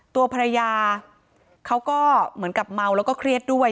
ตัวภรรยาเขาก็เหมือนกับเมาแล้วก็เครียดด้วย